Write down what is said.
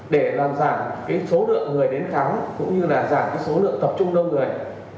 để làm giảm số lượng người đến khám cũng như là giảm số lượng tập trung đông người